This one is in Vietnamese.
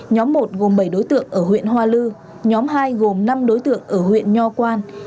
nhóm một gồm bảy đối tượng ở huyện hoa lư nhóm hai gồm năm đối tượng ở huyện nho quan